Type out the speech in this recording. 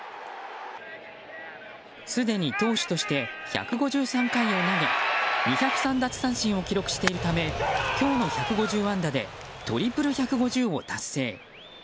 すでに投手として１５３回を投げ２０３奪三振を記録しているため今日の１５０安打でトリプル１５０を達成。